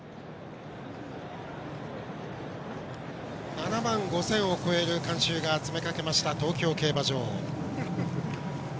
７万５０００を超える観衆が詰めかけました東京競馬場。